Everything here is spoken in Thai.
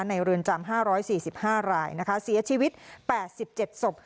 เรือนจำ๕๔๕รายนะคะเสียชีวิต๘๗ศพ